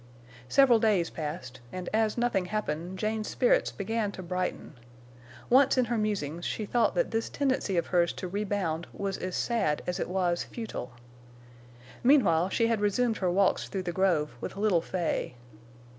Several days passed, and as nothing happened, Jane's spirits began to brighten. Once in her musings she thought that this tendency of hers to rebound was as sad as it was futile. Meanwhile, she had resumed her walks through the grove with little Fay.